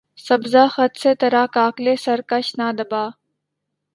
سبزہٴ خط سے ترا کاکلِ سرکش نہ دبا